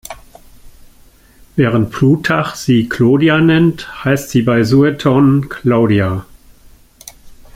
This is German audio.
Während Plutarch sie "Clodia" nennt, heißt sie bei Sueton "Claudia".